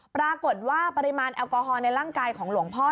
ปริมาณแอลกอฮอลในร่างกายของหลวงพ่อ